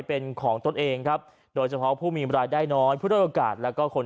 เป็นของตนเองครับโดยเฉพาะผู้มีรายได้น้อยผู้ด้วยโอกาสแล้วก็คน